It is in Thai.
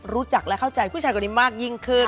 รู้จักและเข้าใจผู้ชายคนนี้มากยิ่งขึ้น